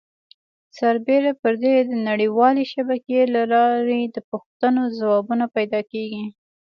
سربیره پر دې د نړۍ والې شبکې له لارې د پوښتنو ځوابونه پیدا کېږي.